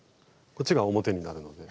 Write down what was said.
こっちが表になるので。